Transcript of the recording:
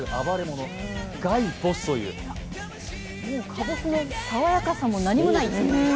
かぼすの爽やかさも何もないですね。